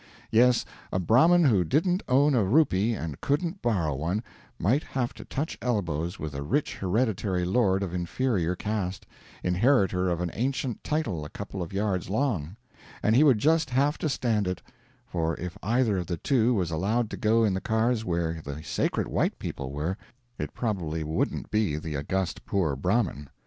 Yes, a Brahmin who didn't own a rupee and couldn't borrow one, might have to touch elbows with a rich hereditary lord of inferior caste, inheritor of an ancient title a couple of yards long, and he would just have to stand it; for if either of the two was allowed to go in the cars where the sacred white people were, it probably wouldn't be the august poor Brahmin.